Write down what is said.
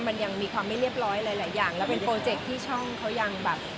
มันยังมีความไม่เรียบร้อยหลายอย่างแล้วเป็นโปรเจคที่ช่องเขายังแบบ